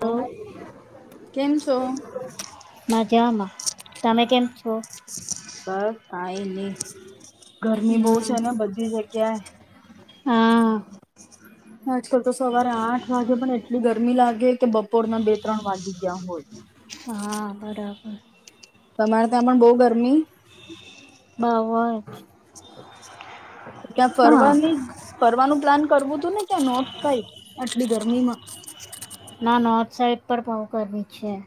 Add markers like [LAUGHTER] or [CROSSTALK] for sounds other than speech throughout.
તો કેમ છો? હ [UNINTELLIGIBLE] જામાં તમે કેમ છો? બસ કઈ નહી ગરમી બહુ છે હમ, ને બધી જગ્યાએ હા આજકાલ તો સવારે આઠ વાગે પણ એટલી ગરમી લાગે કે બપોરના બે ત્રણ વાગી ગયા હોય. હ. તમારે ત્યાં પણ બહુ ગરમી બાહુ અ જ ક્યાં હા ફરવાની, ફરવાનું પ્લાન કરવું હતું ને, ત્યાં નોર્થ સાઈડ આટલી ગરમીમાં ના ના, નોર્થ સાઈડ પર બહુ ગર્મી છે.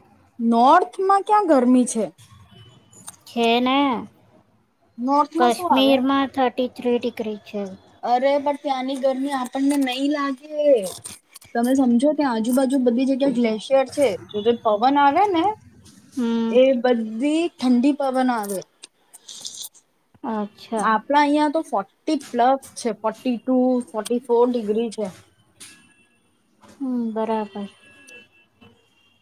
નોર્થમાં ક્યાં ગરમી છે? છેને. નોર્થમાં શું આવે? કશ્મીર માં થર્ટી. [INAUDIBLE] અરે પણ, ત્યાંની ગરમી આપણને નહી લાગે. તમે સમજો. ત્યાં આજુબાજુ બધી જગ્યા ગ્લેશિયર છે, જે પવન આવે ને હમ એ બધી ઠંડી પવન આવે. અચ્છા આપણા અહીંયા તો. છે forty two, forty four degree છે. હમ! બરાબર.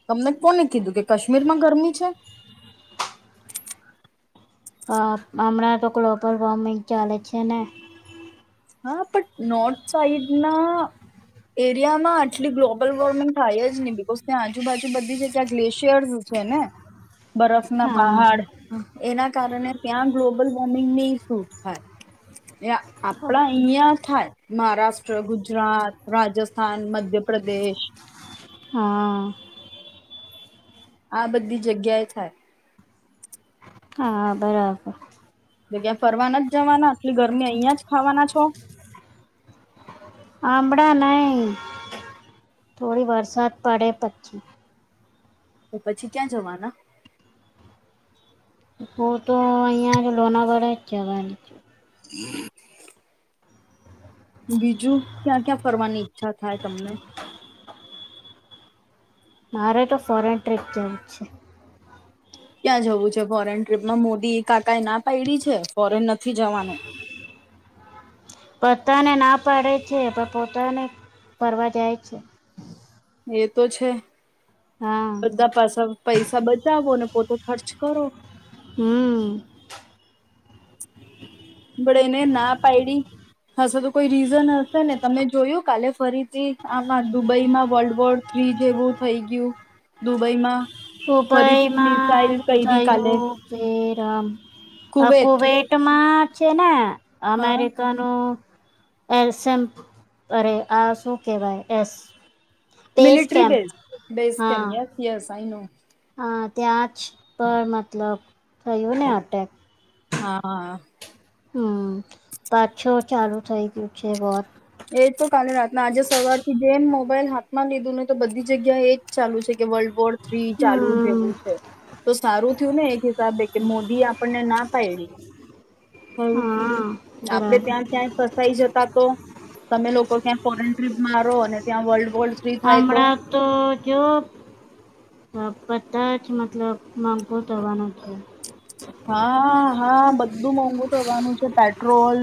તમને કોને કીધું કે, કશ્મીરમાં ગરમી છે. હા, હમણાં તો ગ્લોબલ વોર્મિંગ ચાલે છે ને. હા પણ, નોર્થ સાઈડ ના એરિયામાં આટલી ગ્લોબલ વોર્મિંગ થાય જ નહી. બિકૉઝ ત્યાં આજુબાજુ બધી જગ્યા ગ્લેશિયર્સ છે ને, બરફના પહાડ. હા એના કારણે ત્યાં ગ્લોબલ વોર્મિંગ નહી સૂટ થાય. આપણા અહીંયા થાય. મહારાષ્ટ્ર, ગુજરાત, રાજસ્થાન, મધ્યપ્રદેશ. હા આ બધી જગ્યાએય થાય. હા! બરાબર. તો ત્યાં ફરવાના નથ જવાના, એટલી ગરમી અહીંયા જ ખાવાના છો. આંબળા નઈ, થોડી વરસાદ પડે પછી. તો પછી, ક્યાં જવાના? તો તો અહિયાં જ લોનાવલા જ જવાના. [INAUDIBLE] બીજું, ક્યાં ક્યાં ફરવાની ઈચ્છા થાય, તમને? મારે તો ફોરેન ટ્રીપ જવું છે. ક્યાં જવું છે ફોરેન ટ્રીપમાં? મોદી કાકાએય ના પાડી છે. ફોરેન નથી જવાનું. બધાને ના પાડે છે. પણ પોતાને ફરવા જાય છે. એ તો છે. હા [UNINTELLIGIBLE] પૈસા બચાવો ને, પોતે ખર્ચ કરો. હમ! પણ એણે ના પાયડી હશે તો કોઈ રીઝન હશે ને. તમે જોયું કાલે ફરીથી આમાં દુબઈમાં વર્લ્ડ વોર થ્રી જેવું થઈ ગયું, દુબઈમાં. [UNINTELLIGIBLE] ફરીથી મિસાઇલ કયરી કાલે [UNINTELLIGIBLE] કુવેટ માં છે ને, અમેરિકાનું. એસમ. અરે, આ શું કહેવાય? એસ space military camp base base હા કેમ્પ? Yes I know. હા, ત્યાં જ પર મતલબ થયું ને એટેક. હા હા! હમ, પાછો ચાલુ થઈ ગયું છે, વોર. એ તો કાલે રાતના, આજે સવારથી જેમ મોબાઈલ હાથમાં લીધું ને, તો બધી જગ્યા એજ ચાલુ છે કે, વર્લ્ડ વોર. થ્રી ચાલુ હમ જેવું છે. તો સારું થયું ને, એક હિસાબે કે મોદી આપણને ના પાયડી. હ હા આપણે બરાબર ત્યાં ત્યાંય ફસાઈ જતા તો. તમે લોકો ક્યાં ફોરેન ટ્રીપ મારો, અને ત્યાં વર્લ્ડ વોર. થ્રી થાય હમણા તો જો. બધાજ મતલબ મન [UNINTELLIGIBLE] ધોવાના છે. હા હા હા બ બધું મોંઘું થવાનું છે પેટ્રોલ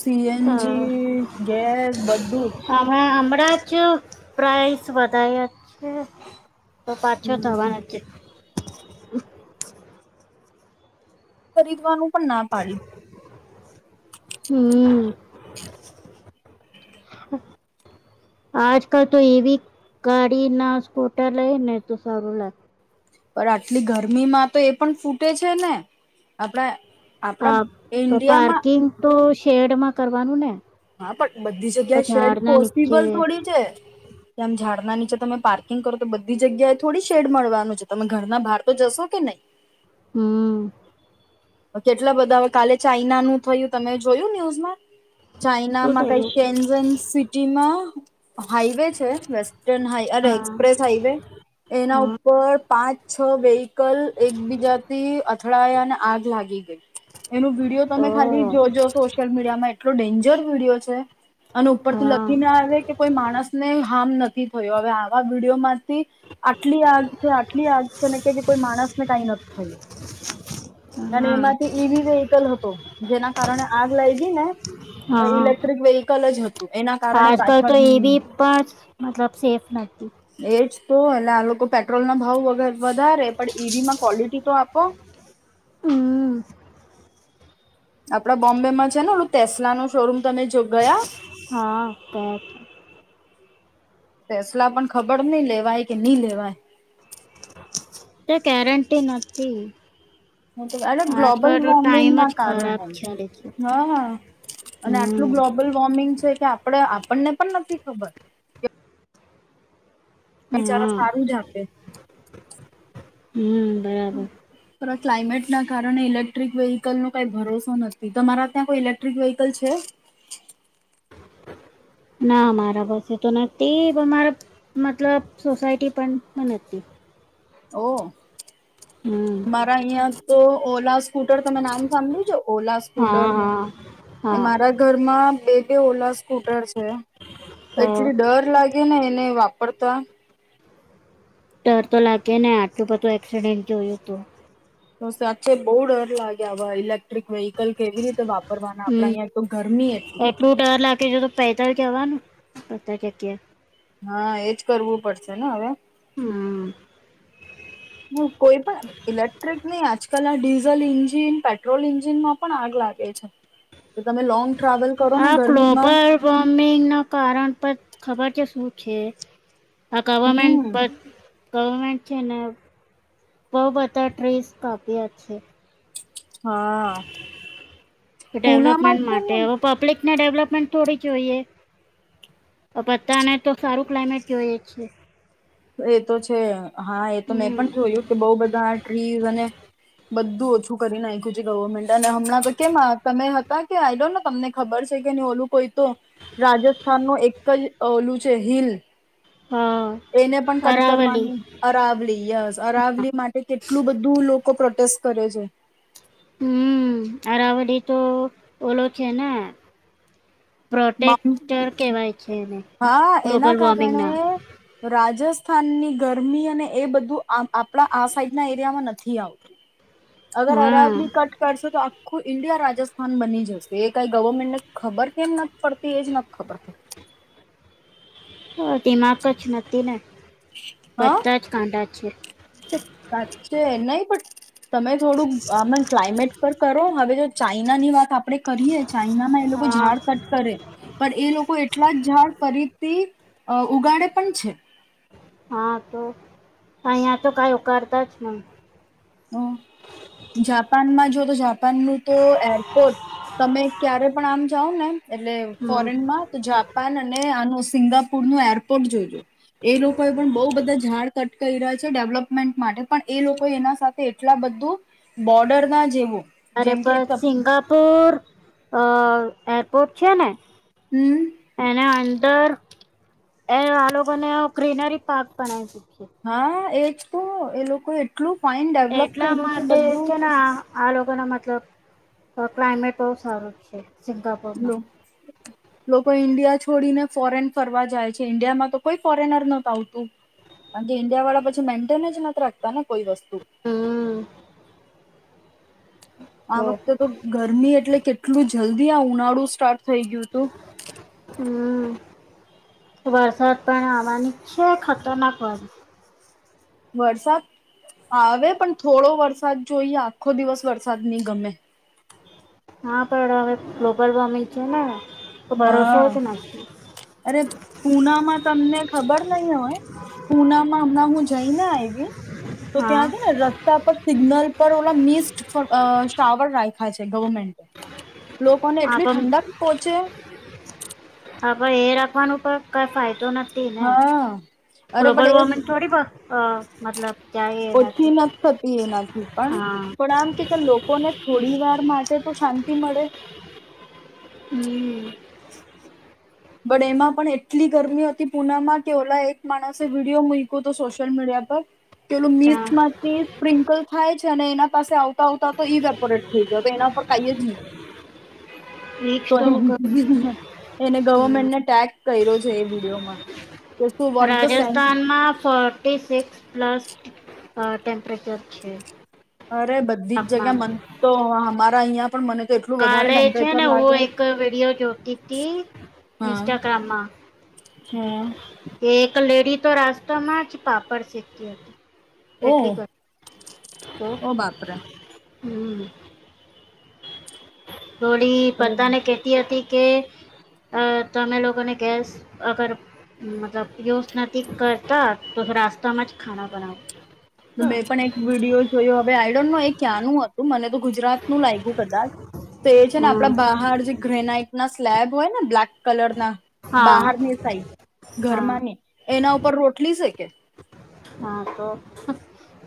સી એન હા જી ગેસ બધું જ. હમણાં હમણાં જ પ્રાઇસ વધાર્યા છે. તો પાછો હમ થવાનોજ છે. [INAUDIBLE] ખરીદવાનું પણ ના પાડી. હમ્મ. [INAUDIBLE] આજકાલ તો એવી ગાડી ના સ્પોટા લય ને તો સારું લાગે. પણ આટલી ગરમીમાં તો એ પણ ફૂટે છે ને આપણા આપણા હા ઈન્ડિયામાં પાર્કિંગ તો શેડમાં કરવાનું ને. હા પણ બધી તો જગ્યા શેડ ઝાડના નીચે પોસિબલ થોડી છે કેમ ઝાડ ના નીચે તમે પાર્કિંગ કરો તો બધી જગ્યાએ થોડી શેડ મળવાનું છે તમે ઘરના બહાર તો જશો કે નહીં. હમ્મ. કેટલા બધા કાલે ચાઈના નું થયું તમે જોયું ન્યુઝમાં. શું ચાઈનામાં કઈ થયું શેનઝન સિટીમાં. અ હ. હાઈવે છે વેસ્ટર્ન હા અરે ઓહ એક્સપ્રેસ હાઈવે એના હા ઉપર પાંચ છ વેહકલ એકબીજાથી અથડાયા અને આગ લાગી ગઈ. એનો વિડીયો તમે ખાલી જોજો સોશિયલ મીડિયા માં એટલો ડેન્જ જો [UNINTELLIGIBLE] વિડીયો છે. અને ઉપર થી લખી ના હા આવે કે કોઈ માણસ ને હાર્મ નથી થયું હવે આવા વિડીયોમાંથી આટલી આગ છે આટલી આગ છે ને કે કોઈ માણસને કઈ નથી થયું. અને એમાંથી ઈવી વ્હીકલ હતો જેના કારણે આગ લાઈ ગી ને હા ઈલેક્ટ્રીક વ્હીકલ જ હ આજકાલ તો ઈવી પણ મતલબ સેફ નથી. એજ તો એ આ લોકો પેટ્રોલ ના ભાવ વગર વધારે પણ ઈવી માં. કવોલટી તો આપો. હમ્મ. આપણા બોમ્બે માં છે ને ઓલું ટેસ્લાનું શોરૂમ તમે જો ગયા? હા તે ફેસલા પણ ખબર નહીં લેવાય કે નઈ લેવાય. તો ગેરંટી નથી. હા તો આલાં ગ્લોબલ આજકાલ તો વોર્મિંગ ટાઈમ ના જ કારણે ખરાબ હું ચાલે છે નહ અને આટલું હમ ગ્લોબલ વોર્મિંગ છે કે આપ આપણો આપણને પણ નથી ખબર. બેચારા હા સારું જ આપે. હમ્મ. બરાબર. પર આ ક્લાઇમેટના કારણે ઈલેક્ટ્રિક વ્હીકલનો કાંઈ ભરોસો નથી. તમારા ત્યાં કોઈ ઇલેક્ટ્રિક વ્હીકલ છે? ના મારા પાસે તો નથી પણ મારા મતલબ સોસાયટી પણ નથી. ઓહ. હમ મારા અહિયાં તો ઓલા સ્કૂટર તમે નામ સાંભળ્યું છે? ઓલા સ્કૂટર નું. હા હા એ હા મારા ઘરમાં બે-બે ઓલા સ્કૂટર છે. હ એટલી ડર લાગે ને. ને વાપરતા. ડર તો લાગે ને આટલું બધું એક્સિડેન્ટ જોયું તું. તો સાચે બહુ ડર લાગે આવા ઈલેક્ટ્રિક વ્હીકલ કલ કેવી રીતે વાપરવાના આપણા હમ અહિયાં તો ગરમી એટલી. એટલું પતા કે ક્યાં. હા એજ કરવું પડશે ને હવે. હમ્મ. હું કોઈ પણ ઇલેક્ટ્રિક નહીં, આજકાલ આ ડીઝલ ઇન્જિન પેટ્રોલ ઇન્જિનમાં પણ આગ લાગે છે. તો તમે લોંગ ટ્રાવેલ કરો ને આ ગરમીમાં ક્લોબલ વારર્મિંગના કારણ પર ખબર કે શું છે? આ ગવર્મેન્ટ હમ પર ગવર્મેન્ટ છેને બહું બધા ટ્રીસ્ક આપ્યા છે. હા, પુનામાં છેને? ને ડેવલપમેન્ટ થોડી જોઈએ, બધાને તો સારું ક્લાઇમેટ જોઈએ છીએ. એ તો છે. હા એ તો મેં પણ જોયું કે બહું બધા ટ્રીઝ અને બધું ઓછું કરી નાખ્યું છે ગવર્મેન્ટએ. હમણાં તો કેમ તમે હતા કે, આઈ ડોન્ટ નો. તમને ખબર છે કે ઓલું કોઈ તો રાજસ્થાન નો એક કઈ ઓલું છે હિલ હા. એને પણ કટ અરાવલી કરવાની, અરાવલી યસ અરાવલી માટે કેટલું બધું લોકો કો પ્રોટેસ્ટ કરે છે. હમ. અરાવલી તો ઓલો છે ને? પ્રોટેક્ટર કહેવાય છે એને હા એના ગ્લોબલ વોર્મિંગના કારણે રાજસ્ ફન ની ગરમી અને એ બધું આપણા આ સાઈડ ના એરિયામાં નથ નથી આવતું. અગર હા આરાબની કટ કરશો તો આ આખું ઈન્ડિયા રાજસ્થાન બની જશે, એ કાઈ ગવર્મેન્ટને ખબર કેમ નથ પડતી એજ નથ ખબર. હા દિમાગ જ નથી ને. હા બધા જ કાંડા છે સાચું, એ નહી પણ તમે થોડું આમર ક્લાયમેટ પર કરો હવે જો ચાઈના ની વાત આપ આપણે કરીએ ચાઈનામાં એ લોકો હા ઝાડ કટ કરે પણ એ લોકો એટલા જ ઝાડ ફરીથી અહ ઉગાડે પણ છે. હા તો અહીયા તો કઈ ઉકારતા જ નહિ. અ, જાપાનમાં તો જો ઝા જાપાન ન તો એરપોર્ટ તમે ક્યારે પણ આમ જાવ ને એટલે હમ. ફોરેનમાં તો જાપાન અને આનું સિંગાપુર નું એરપોર્ટ જોજો. એ લોકો એ પણ બઉ બધા ઝાડ કટ કયરા છે ડેવલપમેન્ટ માટે પણ એ લોકો એના સાથ એટલા બધું બોર્ડર ના જેવું અરે જેમ કે પણ સપ- સિંગાપુર અહ એરપોર્ટ છે ને? હમ એના અન ડર એ આ લોકોને ગ્રીનરી પાર્ક બનાય છે. હા, એજ. શું, એ લોકો એ એટલું, ફાઈન ડેવલપ એટલા કર્યું છે માટે બધું. છે ને આ આ લોકો ના, મતલબ ક્લાઇમેટ બહુ સારું છે. લો, સિંગાપોરમાં લોકો ઇન્ડિયા જ છોડીને ફોરેન ફરવા જાય છે. ઈન્ડિયામાં તો કોઈ ફોરેનર નથ, આવતું કાર કે ઈન્ડિયા વાળા પછી મેન્ટેન જ નથી રાખતા ને. કોઈ વસ્તુ. હમ આ વખતે તો ગરમી એટલે કેટ એટલું, જલ્દી આ ઉનાળું સ્ટાર્ટ થઈ ગયું હતું હમ્મ. વરસાદ પણ આવા નીચ ખતરનાક વા વરસાદ આવે પણ થોડો વરસાદ જોઈએ આખો દિવસ વરસાદ ની ગમે. હા પણ હવે ગ્લોબલ વોર્મિંગ છે ને. તો ભરોસો હા, જ નથી અરે પુનામાં તમને ખબર નહી હોય, પુનામાં હમણાં હું જઈને આઈવી તો હા ત્યાં છે ને રસ્તા પર સિગ્નલ ઉપર ઓલા મિ શાવર રાખાય છે, ગવર્મેન્ટએ. લોકોને એટલી ઠંડક પોહોંચે હા, પણ એ રાખવાનું પણ કઈ ફાયદો નથી. ને હા, અરે ગ્લોબલ પણ એ વોર્મિંગ થોડી બ- અ, મતલબ ત્યાં એ ઓછી નથી થતી એનાથી, પણ હા પણ આમ કે લોકોને થોડી વાર માટે તો શાંતિ મળે. હમ્મ. બટ એમાં પણ એટલી ગરમી હતી પુનામાં કે ઓલા એક માણસે વિડીયો મૂક હતું સોશિયલ મીડિયા પર. પેલું મીસ ત્યાં માંથી સ્પ્રિન્કલ થાયજ અને એના પાસે આવતા આવતા તો ઈ વેપોરેટ થઈ જ એના પર કઈ જ નહી પડ. વીક તો ક- તો એને મેંટ ને ટટેક્સ. કર્યો છે એ વિડીયોમાં. કે શું વોટ ધ સેન્સ રાજસ્થાનમાં ફોર્ટી સિક્સ પ્લસ અ ટેમ્પરેચર છે. અરે બધીજ તાપમાન જગ્યા મન તો અ અહીંયા. કાલે છે ને હું એક વિડીયો જોતી હતી, હા ઇન્સ્ટાગ્રામમાં હા એક લેડી તો રાસ્તા માં જ પાપડ શેકતી હતી. ઓ એટલી ઓ બાપરે. હમ્મ. ડોળી અરે પતાને કેતી હતી કે અહ તમે લોકોને ગેસ અગર મતલબ યુઝ નથી કરતા, તો રાસ્તામાં જ ખાના બનાવ. બે પણ એક વિડીયો જોયો હવે આઈ ડોન્ટ નો એ ક્યાંનું હતું, મને તો ગુજરાત નું લાગ્યું કદાચ. તો એ છે ને હમ આપણા બહાર જે ગ્રેનાઈટના સ્લેબ હોય ને બ્લેક કલર ના હા બહારની સાઈડ, હા ઘરમાંની, એના ઉપર રોટલી સેકે. હા, તો.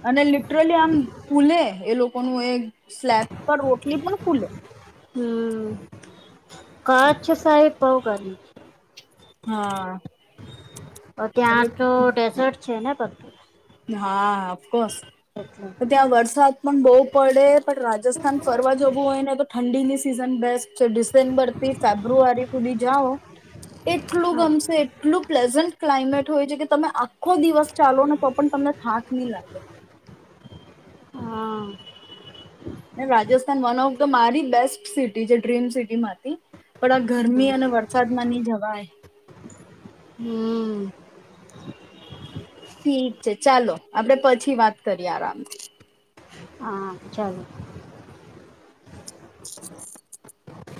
અને લિટરલી આમ ફૂલે એ લોકો એ સ્લેબ પર રોટલી પણ ફુલે. હમ્મ, કાછ સાહેબ [UNINTELLIGIBLE] હા. ત્યાં આઠસો એટલે ત્રેસઠ છેને પર. હા બસ. તો ત્યાં વરસાદ પણ બહુ પડે પણ રાજસ્થાન ફરવા જવું હોય ને તો ઠંડીની સી સીઝન બેસ્ટ ડિસેમ્બર થી ફેબ્રુઆરી સુધી જાઓ એટલું હા ગમશે એટલું પ્લેઝન્ટ ક્લાઇમેટ હોય છે કે તમે આખો દિવસ ચાલો ને તમને થાક નહી લાગે હા ને રાજસ્થાન વન ઓફ ધ મારી બેસ્ટ સિટી છે ડ્રીમ સિટી માંથી પણ આ ગરમી અને વરસાદમાં નહી જવાય હમ ઠીક છે ચાલો આપડે પછી વાત કરીએ આરામથી હા ચાલો